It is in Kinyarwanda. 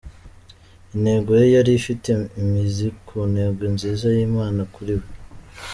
Intego ye yari ifite imizi ku ntego nziza y’Imana kuri we.